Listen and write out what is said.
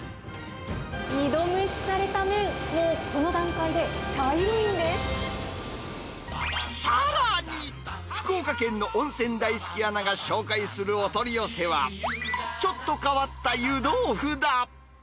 二度蒸しされた麺、もう、さらに、福岡県の温泉大好きアナが紹介するお取り寄せは、ちょっと変わった湯豆腐だ。